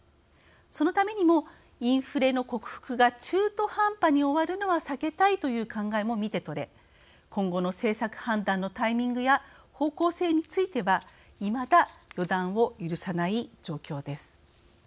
そのためにもインフレの克服が中途半端に終わるのは避けたいという考えも見て取れ今後の政策判断のタイミングや方向性についてはいまだ予断を許さない状況です。